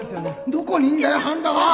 どこにいんだよ半田は！